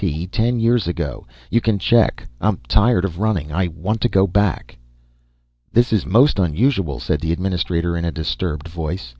"Ten years ago. You can check. I'm tired of running. I want to go back." "This is most unusual," said the administrator in a disturbed voice.